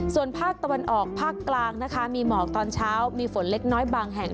ส่วนภาคตะวันออกภาคกลางนะคะมีหมอกตอนเช้ามีฝนเล็กน้อยบางแห่ง